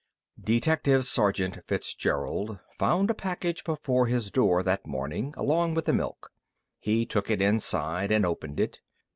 _ Detective Sergeant Fitzgerald found a package before his door that morning, along with the milk. He took it inside and opened it.